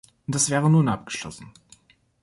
Das wäre nun abgeschlossen.